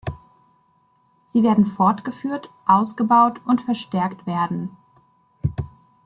Sie werden fortgeführt, ausgebaut und verstärkt werden.